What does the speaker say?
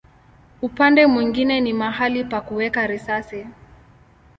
Upande mwingine ni mahali pa kuweka risasi.